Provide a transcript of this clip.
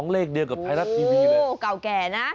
เลขเดียวกับไทยรัฐทีวีเลยโอ้เก่าแก่นะ